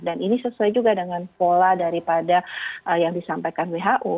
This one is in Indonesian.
dan ini sesuai juga dengan pola daripada yang disampaikan who